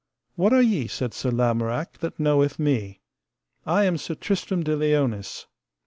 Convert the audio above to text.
What are ye, said Sir Lamorak, that knoweth me? I am Sir Tristram de Liones.